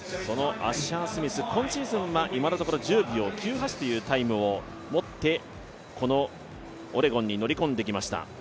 今シーズンは今のところ１０秒９８というタイムを持ってこのオレゴンに乗り込んできました。